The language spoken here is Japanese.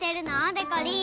でこりん。